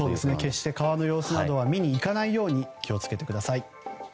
決して川の様子などは見に行かないように気を付けてください。